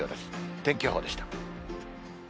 天気予報でした。